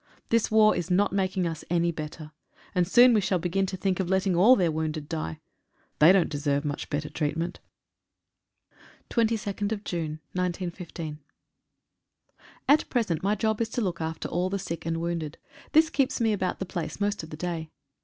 This war is not making us any better, and soon we shall begin to think of letting all their wounded die. They don't deserve much better treatment. 85 A SIMPLE TREATMENT. 22/6/15. AT present my job is to look after all the sick and wounded. This keeps me about the place most of the day.